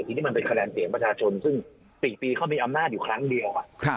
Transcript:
ทีนี้มันเป็นคะแนนเสียงประชาชนซึ่ง๔ปีเขามีอำนาจอยู่ครั้งเดียว